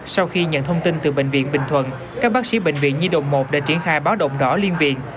sau khi nhận thông tin từ bệnh viện bình thuận các bác sĩ bệnh viện nhi đồng một đã triển khai báo động đỏ liên viện